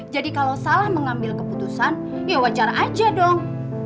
jadi kalau salah mengambil keputusan ya wajar aja dong